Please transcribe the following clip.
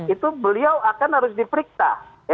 itu beliau akan harus diperiksa